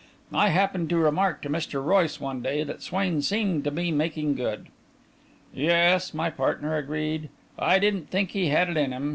I happened to remark to Mr. Royce one day that Swain seemed to be making good. "Yes," my partner agreed; "I didn't think he had it in him.